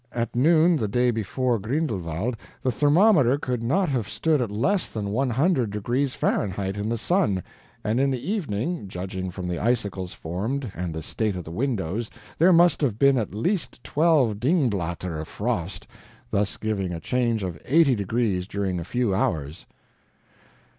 At noon the day before Grindelwald the thermometer could not have stood at less than 100 degrees Fahr. in the sun; and in the evening, judging from the icicles formed, and the state of the windows, there must have been at least twelve DINGBLATTER of frost, thus giving a change of 80 degrees during a few hours.